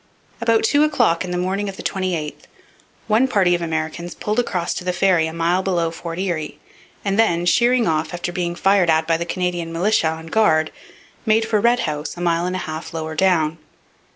About two o'clock in the morning of the 28th one party of Americans pulled across to the ferry a mile below Fort Erie, and then, sheering off after being fired at by the Canadian militia on guard, made for Red House a mile and a half lower down.